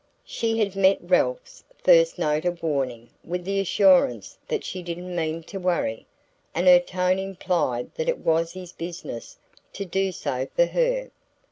She had met Ralph's first note of warning with the assurance that she "didn't mean to worry"; and her tone implied that it was his business to do so for her.